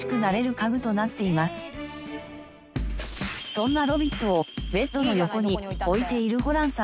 そんなロビットをベッドの横に置いているホランさん。